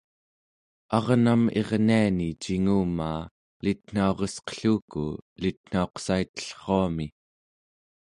arnam irniani cingumaa elitnauresqelluku elitnauqsaitellruami